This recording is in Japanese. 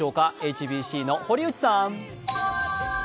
ＨＢＣの堀内さん。